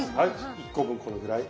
１個分このぐらい。